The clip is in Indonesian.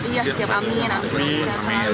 iya siap amin amin sehat selalu